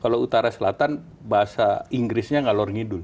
kalau utara ke selatan bahasa inggrisnya gak lorngidul